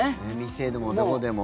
店でもどこでも。